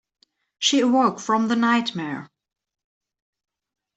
She awoke from the nightmare.